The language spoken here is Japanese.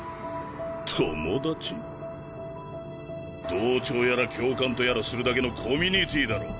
同調やら共感とやらするだけのコミュニティーだろ。